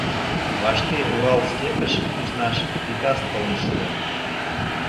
Вашке Урал степьыш куснаш приказ толын шуо.